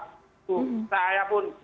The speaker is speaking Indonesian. tuh saya pun